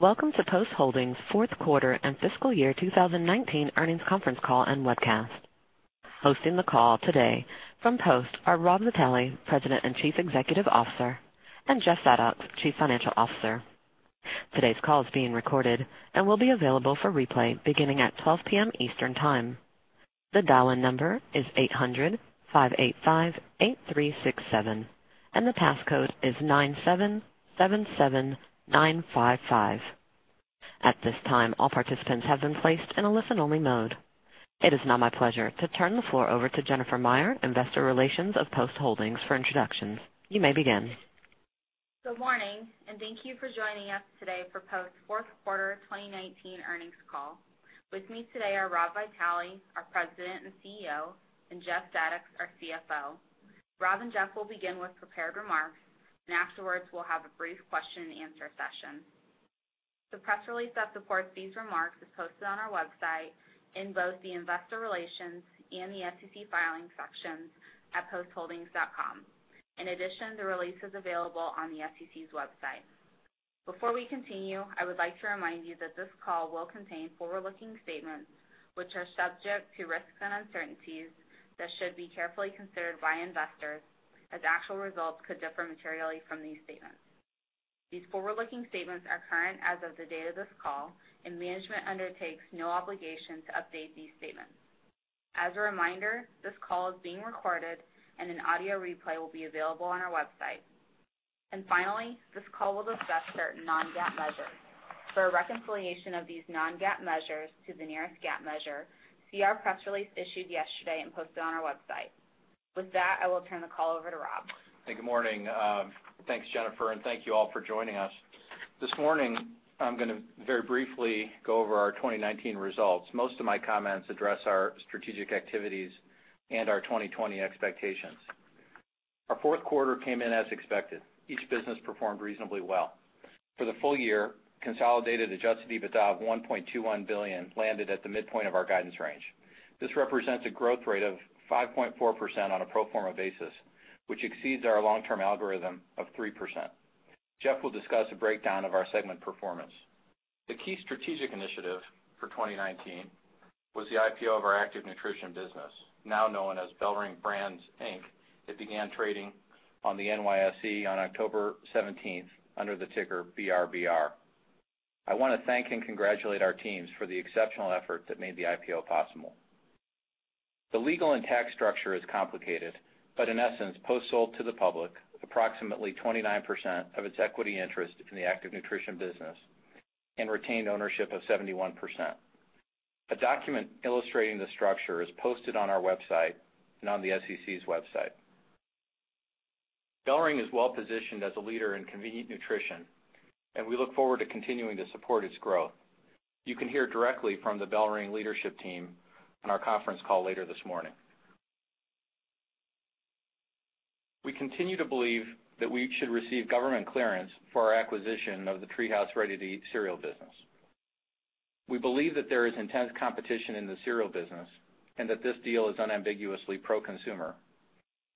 Welcome to Post Holdings' fourth quarter and fiscal year 2019 earnings conference call and webcast. Hosting the call today from Post are Rob Vitale, President and Chief Executive Officer, and Jeff Zadoks, Chief Financial Officer. Today's call is being recorded and will be available for replay beginning at 12:00 P.M. Eastern Time. The dial-in number is 800-585-8367 and the passcode is 9777955. At this time, all participants have been placed in a listen-only mode. It is now my pleasure to turn the floor over to Jennifer Meyer, Investor Relations of Post Holdings for introductions. You may begin. Good morning. Thank you for joining us today for Post fourth quarter 2019 earnings call. With me today are Rob Vitale, our President and CEO, and Jeff Zadoks, our CFO. Rob and Jeff will begin with prepared remarks. Afterwards, we'll have a brief question and answer session. The press release that supports these remarks is posted on our website in both the Investor Relations and the SEC Filings sections at postholdings.com. The release is available on the SEC's website. Before we continue, I would like to remind you that this call will contain forward-looking statements, which are subject to risks and uncertainties that should be carefully considered by investors, as actual results could differ materially from these statements. These forward-looking statements are current as of the date of this call. Management undertakes no obligation to update these statements. As a reminder, this call is being recorded and an audio replay will be available on our website. Finally, this call will discuss certain non-GAAP measures. For a reconciliation of these non-GAAP measures to the nearest GAAP measure, see our press release issued yesterday and posted on our website. With that, I will turn the call over to Rob. Good morning. Thanks, Jennifer. Thank you all for joining us. This morning, I'm going to very briefly go over our 2019 results. Most of my comments address our strategic activities and our 2020 expectations. Our fourth quarter came in as expected. Each business performed reasonably well. For the full year, consolidated adjusted EBITDA of $1.21 billion landed at the midpoint of our guidance range. This represents a growth rate of 5.4% on a pro forma basis, which exceeds our long-term algorithm of 3%. Jeff will discuss a breakdown of our segment performance. The key strategic initiative for 2019 was the IPO of our Active Nutrition business, now known as BellRing Brands, Inc. It began trading on the NYSE on October 17th under the ticker BRBR. I want to thank and congratulate our teams for the exceptional effort that made the IPO possible. The legal and tax structure is complicated, but in essence, Post sold to the public approximately 29% of its equity interest in the Active Nutrition business and retained ownership of 71%. A document illustrating the structure is posted on our website and on the SEC's website. BellRing is well positioned as a leader in convenient nutrition, and we look forward to continuing to support its growth. You can hear directly from the BellRing leadership team on our conference call later this morning. We continue to believe that we should receive government clearance for our acquisition of the TreeHouse ready-to-eat cereal business. We believe that there is intense competition in the cereal business and that this deal is unambiguously pro-consumer,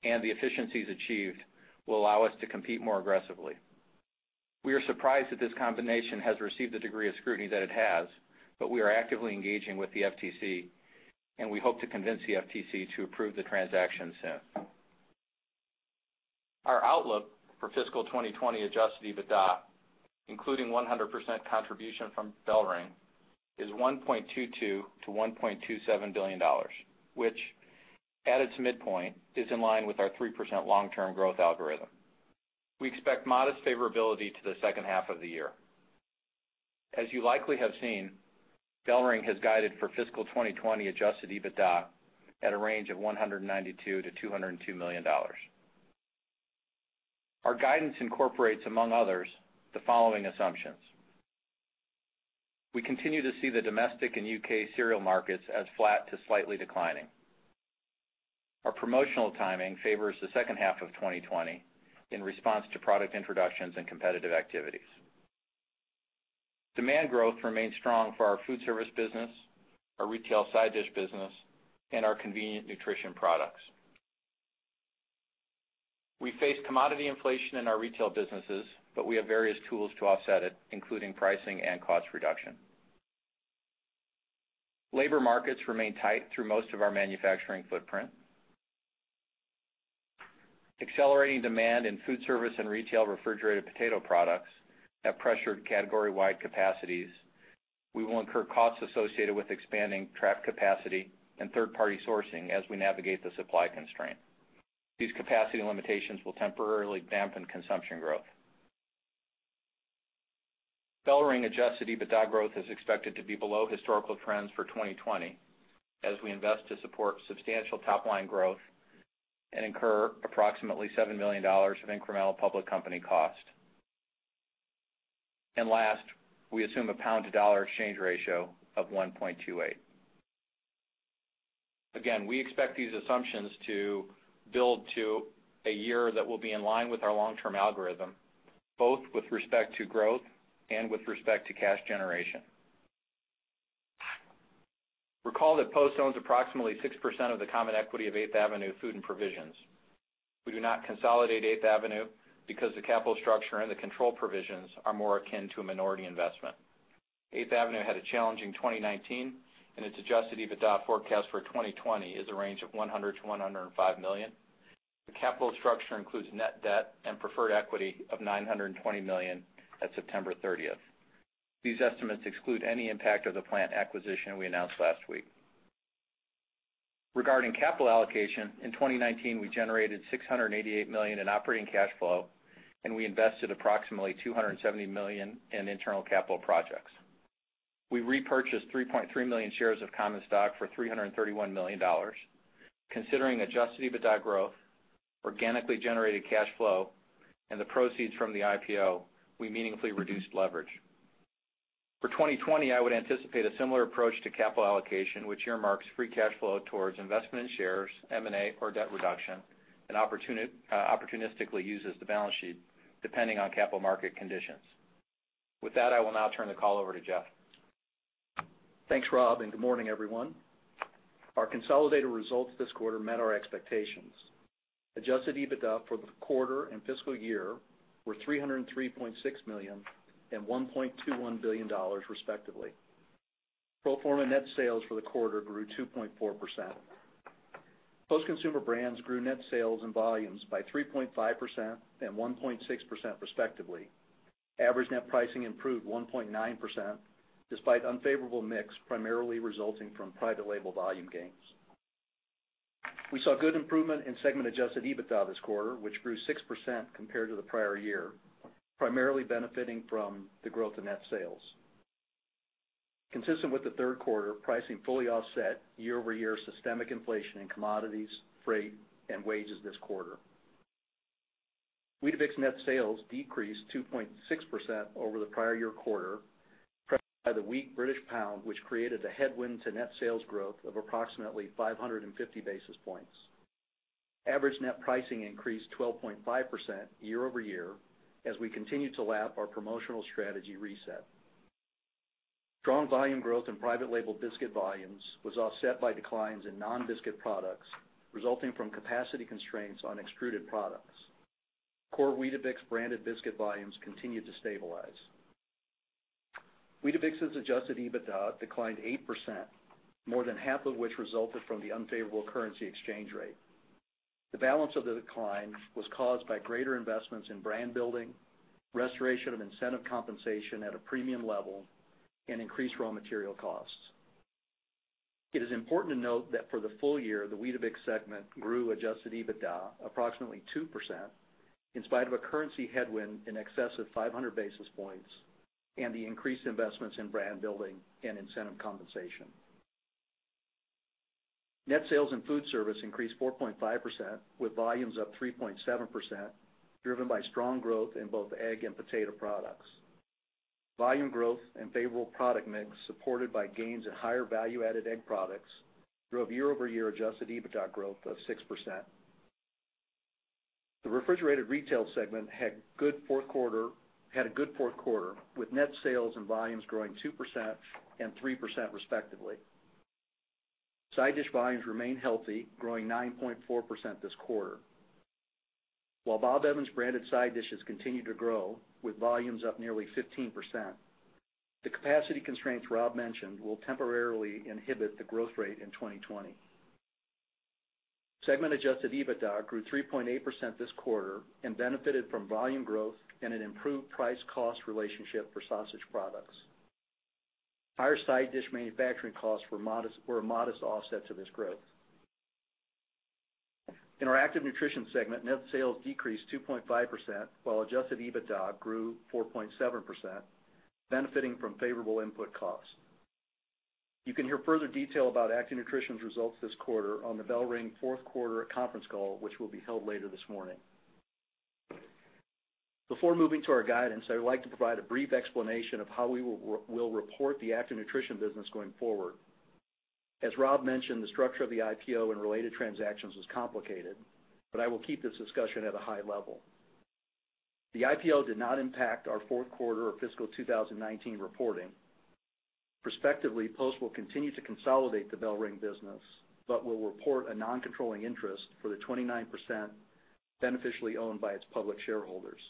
and the efficiencies achieved will allow us to compete more aggressively. We are surprised that this combination has received the degree of scrutiny that it has. We are actively engaging with the FTC, and we hope to convince the FTC to approve the transaction soon. Our outlook for fiscal 2020 adjusted EBITDA, including 100% contribution from BellRing, is $1.22 billion-$1.27 billion, which at its midpoint, is in line with our 3% long-term growth algorithm. We expect modest favorability to the second half of the year. As you likely have seen, BellRing has guided for fiscal 2020 adjusted EBITDA at a range of $192 million-$202 million. Our guidance incorporates, among others, the following assumptions. We continue to see the domestic and U.K. cereal markets as flat to slightly declining. Our promotional timing favors the second half of 2020 in response to product introductions and competitive activities. Demand growth remains strong for our food service business, our retail side dish business, and our convenient nutrition products. We face commodity inflation in our retail businesses, we have various tools to offset it, including pricing and cost reduction. Labor markets remain tight through most of our manufacturing footprint. Accelerating demand in food service and retail refrigerated potato products have pressured category-wide capacities. We will incur costs associated with expanding trapped capacity and third-party sourcing as we navigate the supply constraint. These capacity limitations will temporarily dampen consumption growth. BellRing adjusted EBITDA growth is expected to be below historical trends for 2020 as we invest to support substantial top-line growth and incur approximately $7 million of incremental public company cost. Last, we assume a pound-to-dollar exchange ratio of 1.28. Again, we expect these assumptions to build to a year that will be in line with our long-term algorithm, both with respect to growth and with respect to cash generation. Recall that Post owns approximately 6% of the common equity of 8th Avenue Food & Provisions. We do not consolidate 8th Avenue because the capital structure and the control provisions are more akin to a minority investment. 8th Avenue had a challenging 2019, and its adjusted EBITDA forecast for 2020 is a range of $100 million-$105 million. The capital structure includes net debt and preferred equity of $920 million at September 30th. These estimates exclude any impact of the plant acquisition we announced last week. Regarding capital allocation, in 2019, we generated $688 million in operating cash flow, and we invested approximately $270 million in internal capital projects. We repurchased 3.3 million shares of common stock for $331 million. Considering adjusted EBITDA growth, organically generated cash flow, and the proceeds from the IPO, we meaningfully reduced leverage. For 2020, I would anticipate a similar approach to capital allocation, which earmarks free cash flow towards investment in shares, M&A, or debt reduction, and opportunistically uses the balance sheet depending on capital market conditions. With that, I will now turn the call over to Jeff. Thanks, Rob. Good morning, everyone. Our consolidated results this quarter met our expectations. Adjusted EBITDA for the quarter and fiscal year were $303.6 million and $1.21 billion, respectively. Pro forma net sales for the quarter grew 2.4%. Post Consumer Brands grew net sales and volumes by 3.5% and 1.6%, respectively. Average net pricing improved 1.9%, despite unfavorable mix, primarily resulting from private label volume gains. We saw good improvement in segment Adjusted EBITDA this quarter, which grew 6% compared to the prior year, primarily benefiting from the growth in net sales. Consistent with the third quarter, pricing fully offset year-over-year systemic inflation in commodities, freight, and wages this quarter. Weetabix net sales decreased 2.6% over the prior year quarter, pressed by the weak British pound, which created a headwind to net sales growth of approximately 550 basis points. Average net pricing increased 12.5% year-over-year as we continue to lap our promotional strategy reset. Strong volume growth in private label biscuit volumes was offset by declines in non-biscuit products, resulting from capacity constraints on extruded products. Core Weetabix branded biscuit volumes continued to stabilize. Weetabix's adjusted EBITDA declined 8%, more than half of which resulted from the unfavorable currency exchange rate. The balance of the decline was caused by greater investments in brand building, restoration of incentive compensation at a premium level, and increased raw material costs. It is important to note that for the full year, the Weetabix segment grew adjusted EBITDA approximately 2%, in spite of a currency headwind in excess of 500 basis points and the increased investments in brand building and incentive compensation. Net sales in food service increased 4.5%, with volumes up 3.7%, driven by strong growth in both egg and potato products. Volume growth and favorable product mix, supported by gains in higher value-added egg products, drove year-over-year adjusted EBITDA growth of 6%. The refrigerated retail segment had a good fourth quarter, with net sales and volumes growing 2% and 3%, respectively. Side dish volumes remain healthy, growing 9.4% this quarter. While Bob Evans branded side dishes continue to grow with volumes up nearly 15%, the capacity constraints Rob mentioned will temporarily inhibit the growth rate in 2020. Segment adjusted EBITDA grew 3.8% this quarter and benefited from volume growth and an improved price/cost relationship for sausage products. Higher side dish manufacturing costs were a modest offset to this growth. In our Active Nutrition segment, net sales decreased 2.5%, while adjusted EBITDA grew 4.7%, benefiting from favorable input costs. You can hear further detail about Active Nutrition's results this quarter on the BellRing fourth quarter conference call, which will be held later this morning. Before moving to our guidance, I would like to provide a brief explanation of how we will report the Active Nutrition business going forward. As Rob mentioned, the structure of the IPO and related transactions was complicated, but I will keep this discussion at a high level. The IPO did not impact our fourth quarter or fiscal 2019 reporting. Prospectively, Post will continue to consolidate the BellRing business but will report a noncontrolling interest for the 29% beneficially owned by its public shareholders.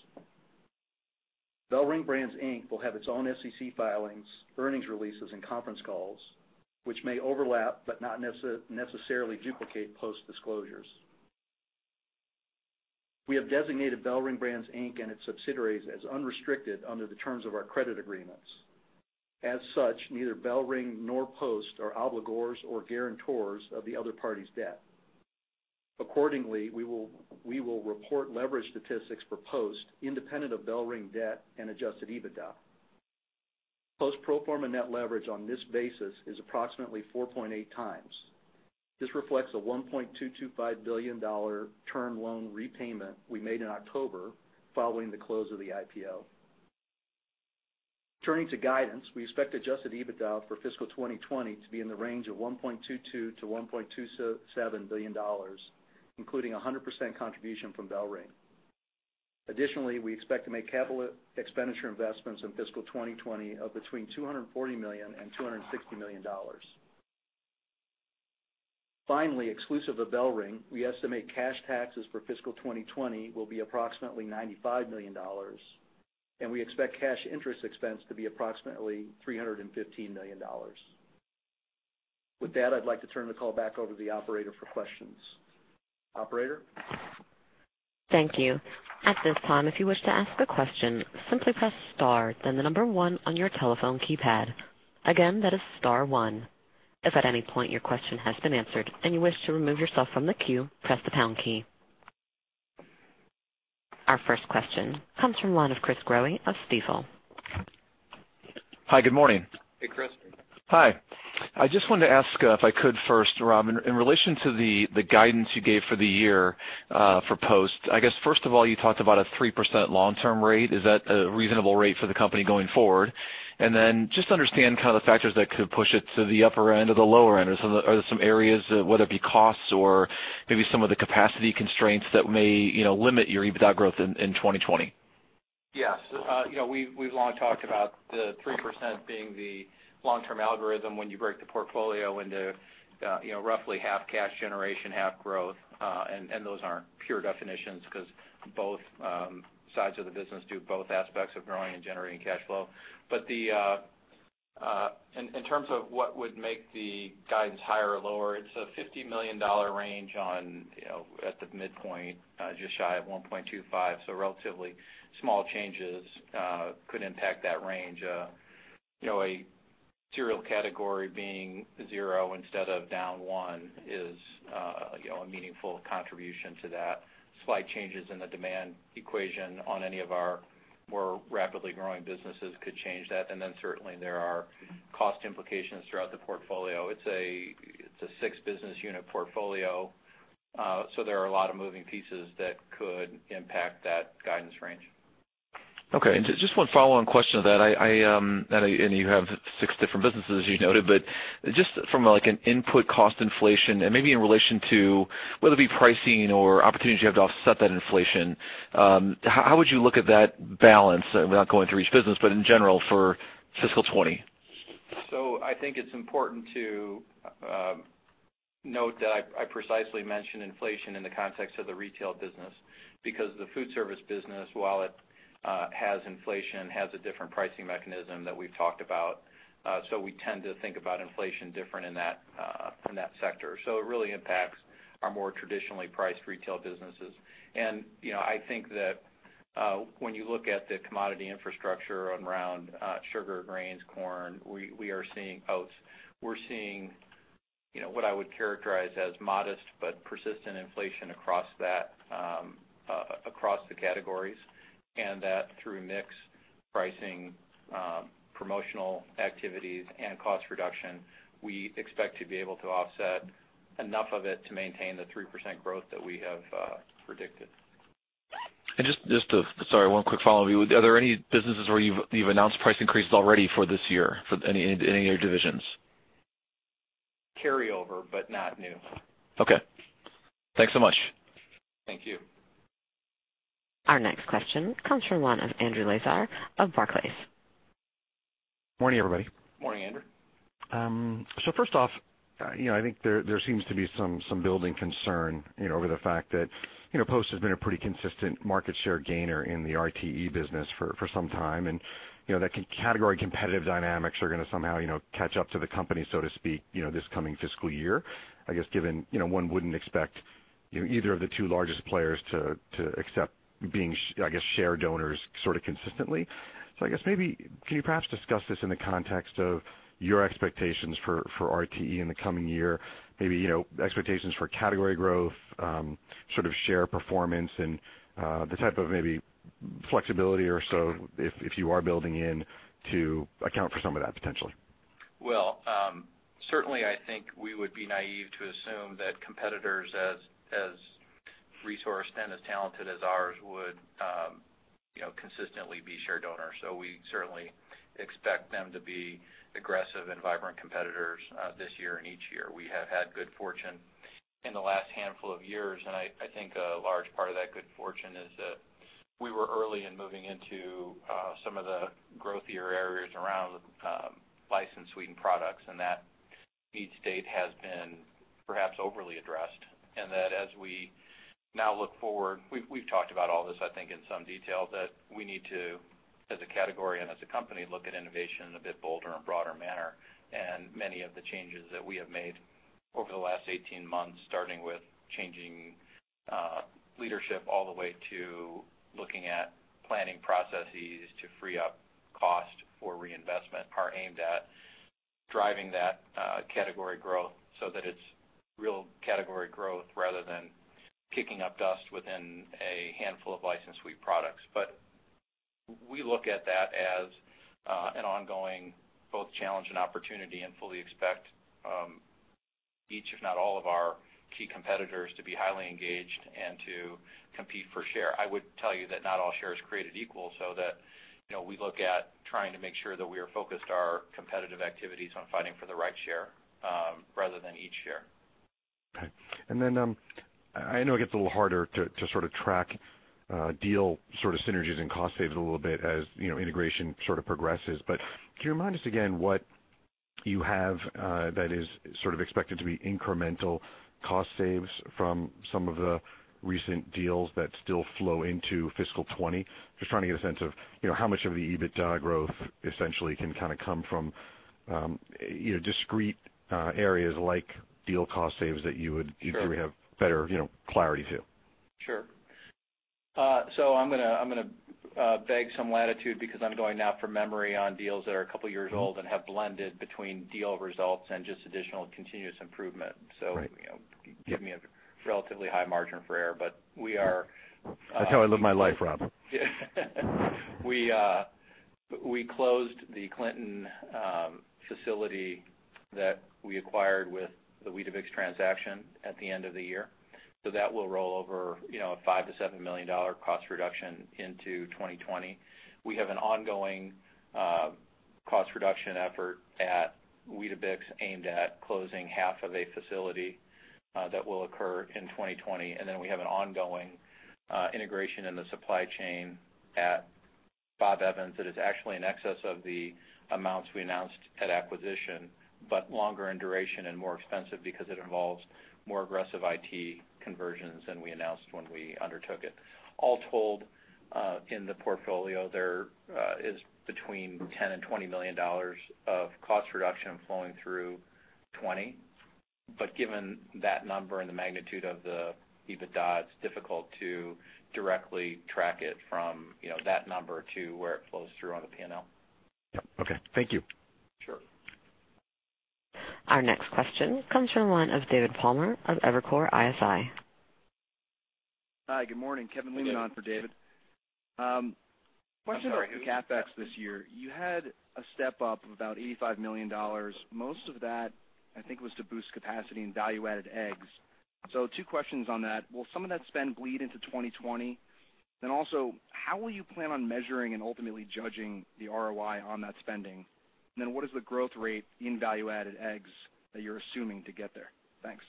BellRing Brands, Inc. will have its own SEC filings, earnings releases, and conference calls, which may overlap but not necessarily duplicate Post disclosures. We have designated BellRing Brands, Inc. and its subsidiaries as unrestricted under the terms of our credit agreements. As such, neither BellRing nor Post are obligors or guarantors of the other party's debt. Accordingly, we will report leverage statistics for Post independent of BellRing debt and adjusted EBITDA. Post pro forma net leverage on this basis is approximately 4.8x. This reflects a $1.225 billion term loan repayment we made in October following the close of the IPO. Turning to guidance, we expect adjusted EBITDA for fiscal 2020 to be in the range of $1.22 billion-$1.27 billion, including 100% contribution from BellRing. Additionally, we expect to make capital expenditure investments in fiscal 2020 of between $240 million and $260 million. Finally, exclusive of BellRing, we estimate cash taxes for fiscal 2020 will be approximately $95 million, and we expect cash interest expense to be approximately $315 million. With that, I'd like to turn the call back over to the operator for questions. Operator? Thank you. At this time, if you wish to ask a question, simply press star, then the number one on your telephone keypad. Again, that is star one. If at any point your question has been answered and you wish to remove yourself from the queue, press the pound key. Our first question comes from the line of Chris Growe of Stifel. Hi, good morning. Hey, Chris. Hi. I just wanted to ask, if I could first, Rob, in relation to the guidance you gave for the year, for Post, I guess first of all, you talked about a 3% long-term rate. Is that a reasonable rate for the company going forward? Just to understand the factors that could push it to the upper end or the lower end, are there some areas, whether it be costs or maybe some of the capacity constraints that may limit your EBITDA growth in 2020? Yes. We've long talked about the 3% being the long-term algorithm when you break the portfolio into roughly half cash generation, half growth. Those aren't pure definitions because both sides of the business do both aspects of growing and generating cash flow. In terms of what would make the guidance higher or lower, it's a $50 million range at the midpoint, just shy of 1.25. Relatively small changes could impact that range. A cereal category being zero instead of down one is a meaningful contribution to that. Slight changes in the demand equation on any of our more rapidly growing businesses could change that, certainly there are cost implications throughout the portfolio. It's a six-business unit portfolio, there are a lot of moving pieces that could impact that guidance range. Okay. Just one follow-on question to that. You have six different businesses, as you noted, but just from an input cost inflation and maybe in relation to whether it be pricing or opportunities you have to offset that inflation, how would you look at that balance, without going through each business, but in general for fiscal 2020? I think it's important to note that I precisely mentioned inflation in the context of the retail business because the food service business, while it has inflation, has a different pricing mechanism that we've talked about. We tend to think about inflation different in that sector. It really impacts our more traditionally priced retail businesses. I think that when you look at the commodity infrastructure around sugar, grains, corn, oats, we are seeing what I would characterize as modest but persistent inflation across the categories, and that through mix pricing, promotional activities, and cost reduction, we expect to be able to offset enough of it to maintain the 3% growth that we have predicted. Just, sorry, one quick follow-up. Are there any businesses where you've announced price increases already for this year, for any of your divisions? Carryover, but not new. Okay. Thanks so much. Thank you. Our next question comes from the line of Andrew Lazar of Barclays. Morning, everybody. Morning, Andrew. First off, I think there seems to be some building concern over the fact that Post has been a pretty consistent market share gainer in the RTE business for some time, and that category competitive dynamics are going to somehow catch up to the company, so to speak, this coming fiscal year. Given one wouldn't expect either of the two largest players to accept being share donors consistently. Can you perhaps discuss this in the context of your expectations for RTE in the coming year? Maybe expectations for category growth, share performance and the type of flexibility if you are building in to account for some of that potentially. Well, certainly I think we would be naive to assume that competitors as resourced and as talented as ours would consistently be share donors. We certainly expect them to be aggressive and vibrant competitors this year and each year. We have had good fortune in the last handful of years, and I think a large part of that good fortune is that we were early in moving into some of the growthier areas around licensed sweetened products, and that each niche has been perhaps overly addressed. As we now look forward, we've talked about all this, I think, in some detail, that we need to, as a category and as a company, look at innovation in a bit bolder and broader manner. Many of the changes that we have made over the last 18 months, starting with changing leadership all the way to looking at planning processes to free up cost for reinvestment, are aimed at driving that category growth so that it's real category growth rather than kicking up dust within a handful of licensed sweet products. We look at that as an ongoing, both challenge and opportunity, and fully expect each, if not all of our key competitors, to be highly engaged and to compete for share. I would tell you that not all share is created equal, so that we look at trying to make sure that we are focused our competitive activities on fighting for the right share, rather than each share. Okay. I know it gets a little harder to sort of track deal synergies and cost saves a little bit as integration progresses. Can you remind us again what you have that is expected to be incremental cost saves from some of the recent deals that still flow into fiscal 2020? Just trying to get a sense of how much of the EBITDA growth essentially can come from discrete areas like deal cost saves. Sure have better clarity to. Sure. I'm going to beg some latitude because I'm going now from memory on deals that are a couple of years old and have blended between deal results and just additional continuous improvement. Right. Give me a relatively high margin for error. That's how I live my life, Rob. We closed the Clinton facility that we acquired with the Weetabix transaction at the end of the year. That will roll over a $5 million-$7 million cost reduction into 2020. We have an ongoing cost reduction effort at Weetabix aimed at closing half of a facility that will occur in 2020. We have an ongoing integration in the supply chain at Bob Evans that is actually in excess of the amounts we announced at acquisition, but longer in duration and more expensive because it involves more aggressive IT conversions than we announced when we undertook it. All told, in the portfolio, there is between $10 million-$20 million of cost reduction flowing through 2020. Given that number and the magnitude of the EBITDA, it's difficult to directly track it from that number to where it flows through on the P&L. Yep, okay. Thank you. Sure. Our next question comes from the line of David Palmer of Evercore ISI. Hi, good morning. Kevin. Good day. leaning on for David. I'm sorry, who? CapEx this year. You had a step up of about $85 million. Most of that, I think, was to boost capacity in value-added eggs. Two questions on that. Will some of that spend bleed into 2020? Also, how will you plan on measuring and ultimately judging the ROI on that spending? What is the growth rate in value-added eggs that you're assuming to get there? Thanks.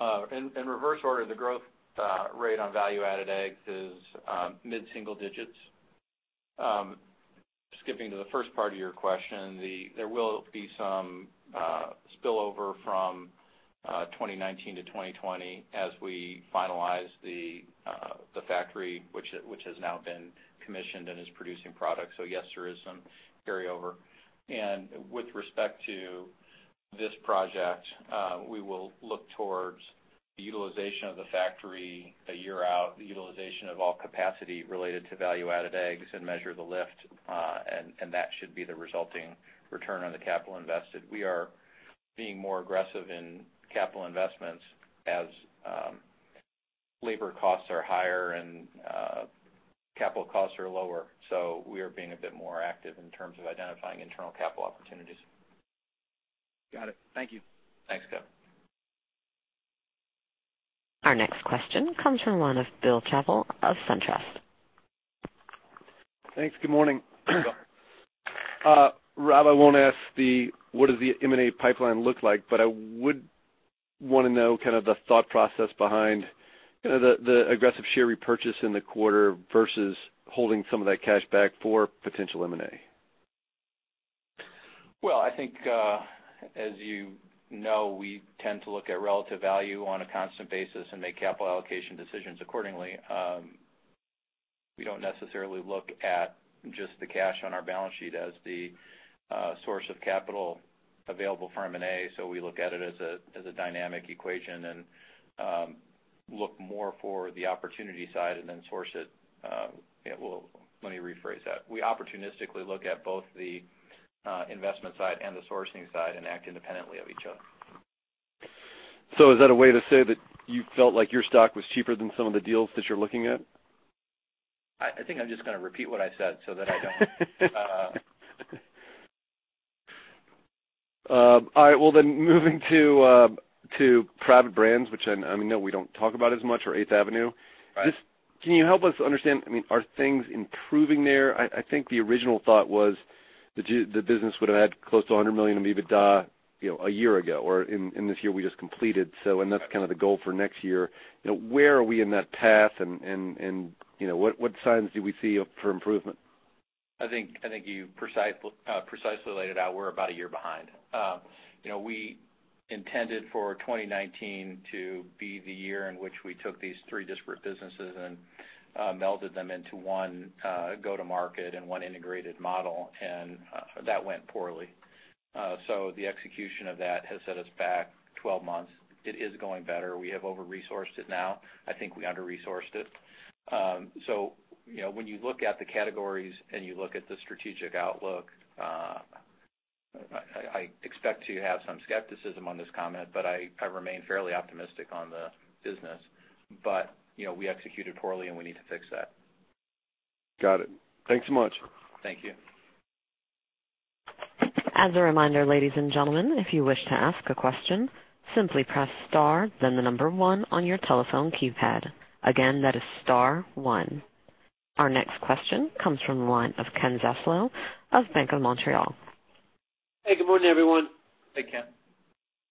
In reverse order, the growth rate on value-added eggs is mid-single digits. Skipping to the first part of your question, there will be some spillover from 2019 to 2020 as we finalize the factory, which has now been commissioned and is producing product. Yes, there is some carryover. And with respect to this project, we will look towards the utilization of the factory a year out, the utilization of all capacity related to value-added eggs and measure the lift, and that should be the resulting return on the capital invested. We are being more aggressive in capital investments as labor costs are higher and capital costs are lower. We are being a bit more active in terms of identifying internal capital opportunities. Got it. Thank you. Thanks, Kevin. Our next question comes from the line of Bill Chappell of SunTrust. Thanks. Good morning. Good morning. Rob Vitale, I won't ask what does the M&A pipeline look like. I would want to know the thought process behind the aggressive share repurchase in the quarter versus holding some of that cash back for potential M&A. I think, as you know, we tend to look at relative value on a constant basis and make capital allocation decisions accordingly. We don't necessarily look at just the cash on our balance sheet as the source of capital available for M&A, we look at it as a dynamic equation and look more for the opportunity side. We opportunistically look at both the investment side and the sourcing side and act independently of each other. Is that a way to say that you felt like your stock was cheaper than some of the deals that you're looking at? I think I'm just going to repeat what I said so that I don't- All right. Well, moving to private brands, which I know we don't talk about as much, or 8th Avenue. Right. Can you help us understand, are things improving there? I think the original thought was the business would have had close to $100 million in EBITDA a year ago, or in this year we just completed, and that's kind of the goal for next year. Where are we in that path and what signs do we see for improvement? I think you precisely laid it out. We're about a year behind. We intended for 2019 to be the year in which we took these three disparate businesses and melded them into one go-to-market and one integrated model. That went poorly. The execution of that has set us back 12 months. It is going better. We have over-resourced it now. I think we under-resourced it. When you look at the categories and you look at the strategic outlook, I expect to have some skepticism on this comment. I remain fairly optimistic on the business. We executed poorly. We need to fix that. Got it. Thanks so much. Thank you. As a reminder, ladies and gentlemen, if you wish to ask a question, simply press star then the number 1 on your telephone keypad. Again, that is star 1. Our next question comes from the line of Ken Zaslow of Bank of Montreal. Hey, good morning, everyone. Hey, Ken.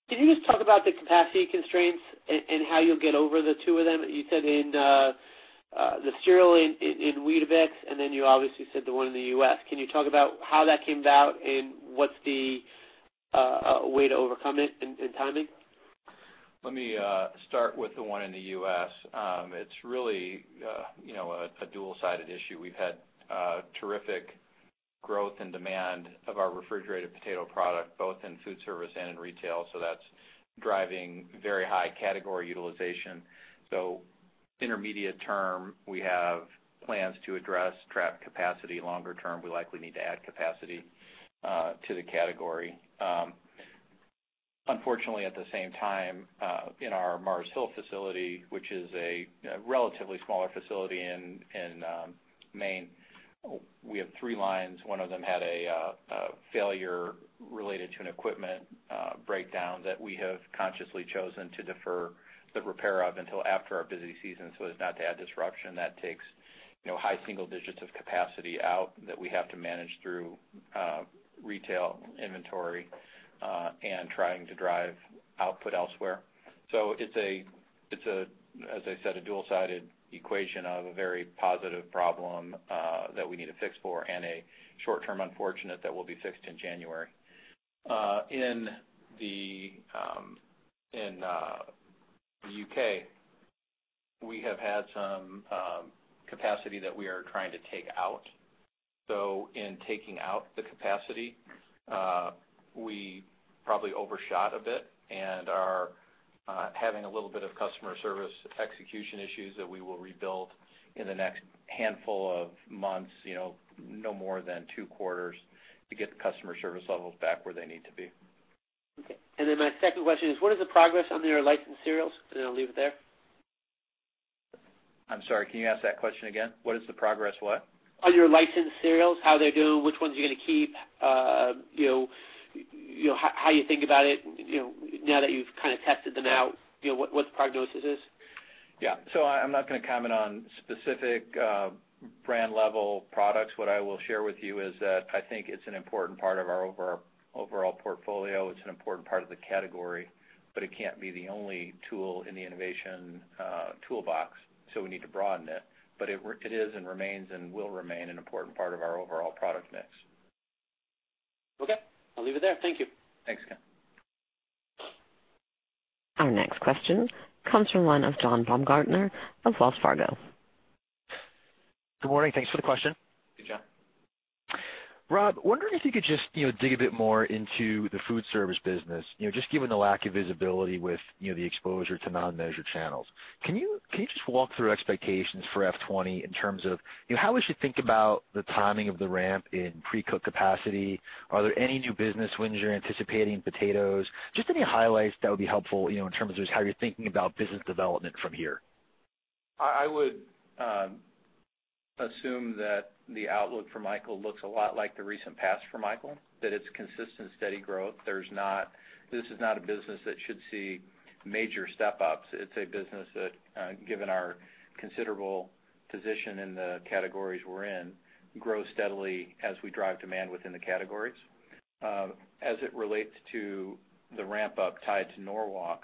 Can you just talk about the capacity constraints and how you'll get over the two of them? You said in the cereal in Weetabix, and then you obviously said the one in the U.S. Can you talk about how that came about and what's the way to overcome it and timing? Let me start with the one in the U.S. It's really a dual-sided issue. We've had terrific growth and demand of our refrigerated potato product, both in food service and in retail. That's driving very high category utilization. Intermediate term, we have plans to address trapped capacity. Longer term, we likely need to add capacity to the category. Unfortunately, at the same time, in our Mars Hill facility, which is a relatively smaller facility in Maine, we have three lines. One of them had a failure related to an equipment breakdown that we have consciously chosen to defer the repair of until after our busy season so as not to add disruption. That takes high single digits of capacity out that we have to manage through retail inventory, and trying to drive output elsewhere. It's, as I said, a dual-sided equation of a very positive problem that we need to fix for and a short-term unfortunate that will be fixed in January. In the U.K., we have had some capacity that we are trying to take out. In taking out the capacity, we probably overshot a bit and are having a little bit of customer service execution issues that we will rebuild in the next handful of months, no more than 2 quarters to get the customer service levels back where they need to be. Okay. My second question is, what is the progress on your licensed cereals? I'll leave it there. I'm sorry, can you ask that question again? What is the progress? On your licensed cereals, how they're doing, which ones you're gonna keep, how you think about it, now that you've kind of tested them out, what the prognosis is? Yeah. I'm not gonna comment on specific brand level products. What I will share with you is that I think it's an important part of our overall portfolio. It's an important part of the category, but it can't be the only tool in the innovation toolbox, so we need to broaden it. It is and remains and will remain an important part of our overall product mix. Okay. I'll leave it there. Thank you. Thanks, Ken. Our next question comes from the line of John Baumgartner of Wells Fargo. Good morning. Thanks for the question. Hey, John. Rob, wondering if you could just dig a bit more into the food service business, just given the lack of visibility with the exposure to non-measured channels. Can you just walk through expectations for FY 2020 in terms of how we should think about the timing of the ramp in pre-cooked capacity? Are there any new business wins you're anticipating in potatoes? Just any highlights that would be helpful in terms of just how you're thinking about business development from here. I would assume that the outlook for Michael looks a lot like the recent past for Michael, that it's consistent, steady growth. This is not a business that should see major step-ups. It's a business that, given our considerable position in the categories we're in, grows steadily as we drive demand within the categories. As it relates to the ramp up tied to Norwalk,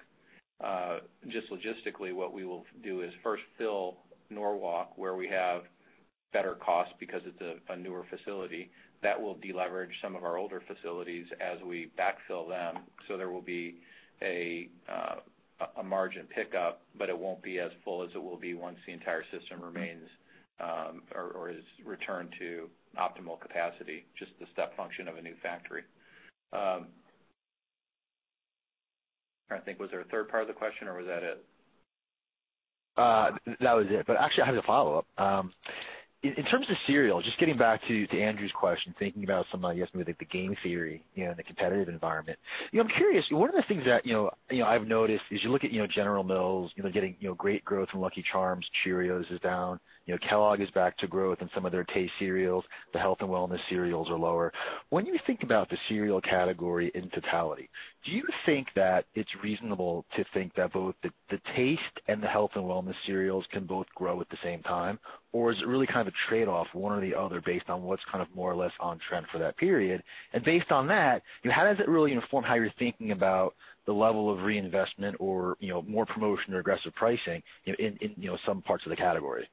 just logistically, what we will do is first fill Norwalk, where we have better costs because it's a newer facility. That will de-leverage some of our older facilities as we backfill them. There will be a margin pickup, but it won't be as full as it will be once the entire system remains, or is returned to optimal capacity, just the step function of a new factory. I'm trying to think, was there a third part of the question, or was that it? That was it. Actually, I have a follow-up. In terms of cereal, just getting back to Andrew's question, thinking about some of the game theory in the competitive environment, I'm curious, one of the things that I've noticed is you look at General Mills, getting great growth from Lucky Charms. Cheerios is down. Kellogg is back to growth in some of their taste cereals. The health and wellness cereals are lower. When you think about the cereal category in totality, do you think that it's reasonable to think that both the taste and the health and wellness cereals can both grow at the same time? Is it really kind of a trade-off, one or the other based on what's kind of more or less on trend for that period? Based on that, how does it really inform how you're thinking about the level of reinvestment or more promotion or aggressive pricing in some parts of the category?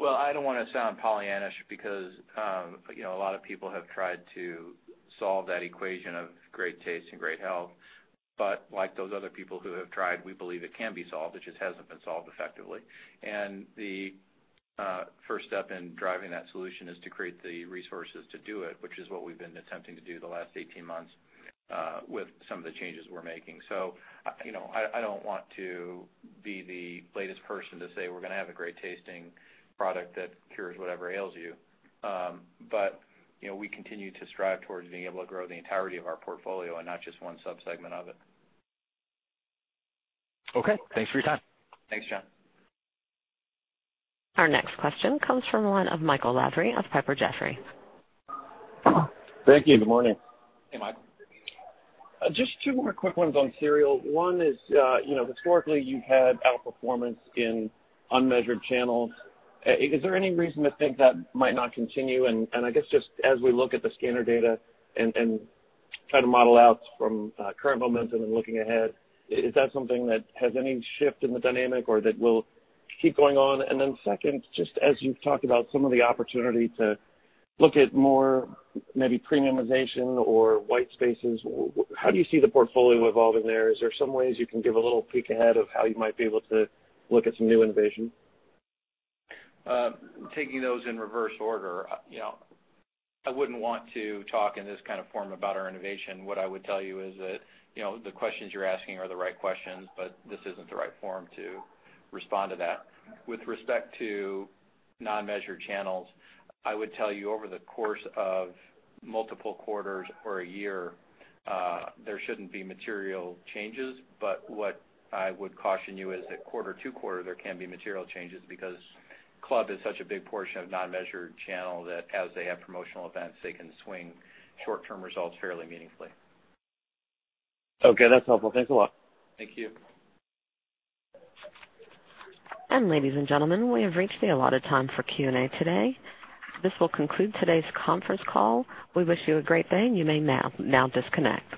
I do not want to sound Pollyanna-ish because a lot of people have tried to solve that equation of great taste and great health. Like those other people who have tried, we believe it can be solved. It just has not been solved effectively. The first step in driving that solution is to create the resources to do it, which is what we have been attempting to do the last 18 months with some of the changes we are making. I do not want to be the latest person to say we are going to have a great-tasting product that cures whatever ails you. We continue to strive towards being able to grow the entirety of our portfolio and not just one subsegment of it. Okay. Thanks for your time. Thanks, John. Our next question comes from the line of Michael Lavery of Piper Jaffray. Thank you. Good morning. Hey, Michael. Just two more quick ones on cereal. One is, historically you've had outperformance in unmeasured channels. Is there any reason to think that might not continue? I guess just as we look at the scanner data and try to model out from current momentum and looking ahead, is that something that has any shift in the dynamic or that will keep going on? Then second, just as you've talked about some of the opportunity to look at more maybe premiumization or white spaces, how do you see the portfolio evolving there? Is there some ways you can give a little peek ahead of how you might be able to look at some new innovation? Taking those in reverse order, I wouldn't want to talk in this kind of forum about our innovation. What I would tell you is that the questions you're asking are the right questions, but this isn't the right forum to respond to that. With respect to non-measured channels, I would tell you over the course of multiple quarters or a year, there shouldn't be material changes. What I would caution you is that quarter to quarter, there can be material changes because club is such a big portion of non-measured channel that as they have promotional events, they can swing short-term results fairly meaningfully. Okay, that's helpful. Thanks a lot. Thank you. Ladies and gentlemen, we have reached the allotted time for Q&A today. This will conclude today's conference call. We wish you a great day, and you may now disconnect.